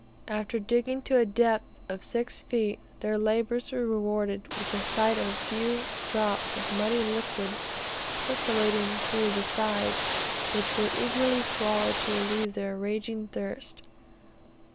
After digging to a depth of six feet their labours were rewarded with the sight of a few drops of muddy liquid percolating through the sides, which were eagerly swallowed to relieve their raging thirst.